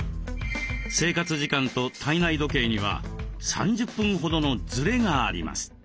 生活時間と体内時計には３０分ほどの「ずれ」があります。